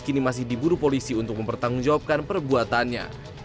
kini masih diburu polisi untuk mempertanggungjawabkan perbuatannya